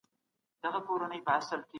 با سواده ټولنه تر نورو مخکي ده.